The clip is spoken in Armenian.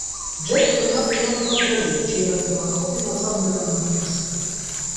Ջեքը գնաց նրան փնտրելու, ինչի հետևանքով իմացավ նրա մահի մասին։